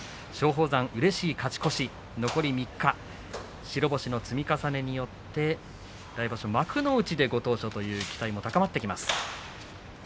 うれしい勝ち越しへ残り３日、白星の積み重ねによって来場所幕内でご当所という期待も高まってきています。